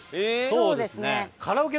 そうですね。